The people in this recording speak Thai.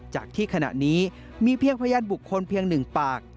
จากที่ขณะนี้มีเพียงพยานบุคคลเพียง๑ปาก